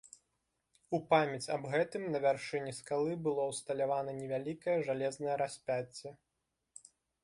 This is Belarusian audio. У памяць аб гэтым на вяршыні скалы было ўсталявана невялікае жалезнае распяцце.